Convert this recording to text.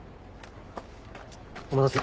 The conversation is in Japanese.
・お待たせ。